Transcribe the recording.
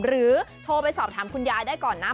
โทรไปสอบถามคุณยายได้ก่อนนะ